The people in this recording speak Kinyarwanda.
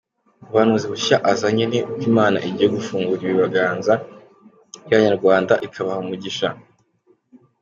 Ubuhanuzi bushya azanye ni uko Imana igiye gufungura ibiganza by’abanyarwanda ikabaha umugisha.